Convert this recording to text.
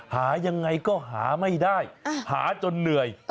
หายังไงก็หาไม่ได้หาจนเหนื่อย